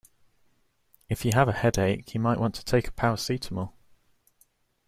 If you have a headache you might want to take a paracetamol